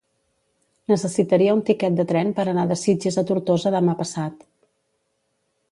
Necessitaria un tiquet de tren per anar de Sitges a Tortosa demà passat.